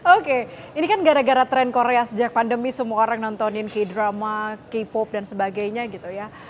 oke ini kan gara gara tren korea sejak pandemi semua orang nontonin k drama k pop dan sebagainya gitu ya